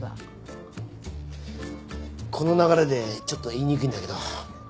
この流れでちょっと言いにくいんだけど。